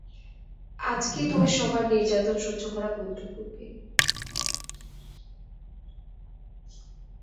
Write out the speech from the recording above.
আজকেই তুই সবার নির্যাতন সহ্য করা বন্ধ করবি।